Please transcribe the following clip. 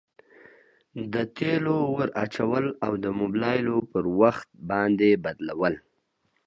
د تیلو ور اچول او د مبلایلو پر وخت باندي بدلول.